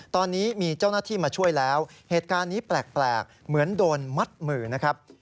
ตอนนี้มีเจ้าหน้าที่มาช่วยแล้วเหตุการณ์นี้แปลกเหมือนโดนมัดมือนะครับ